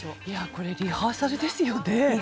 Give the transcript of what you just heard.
これリハーサルですよね。